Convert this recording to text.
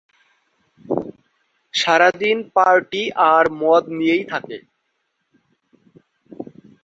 সারাদিন পার্টি আর মদ নিয়েই থাকে।